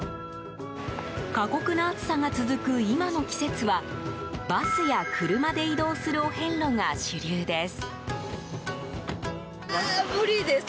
過酷な暑さが続く今の季節はバスや車で移動するお遍路が主流です。